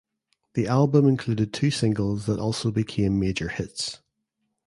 The album included two singles that also became major hits.